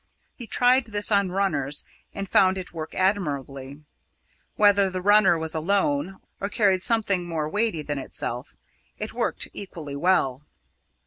He tried this on runners, and found it work admirably. Whether the runner was alone, or carried something much more weighty than itself, it worked equally well.